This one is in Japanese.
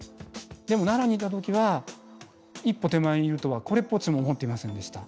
でも奈良にいた時は一歩手前にいるとはこれっぽっちも思っていませんでした。